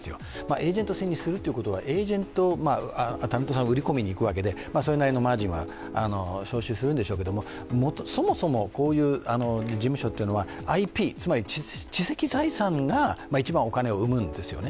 エージェント制にするということはタレントさんを売り込みにいくわけでそれなりのマージンは徴集するんでしょうけれども、そもそもこういう事務所というのはＩＰ、つまり知的財産が一番お金を生むんですよね。